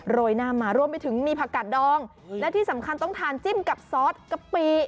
โรยหน้ามารวมไปถึงมีผักกัดดองและที่สำคัญต้องทานจิ้มกับซอสกะปิ